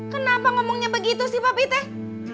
kenapa ngomongnya begitu sih papi teh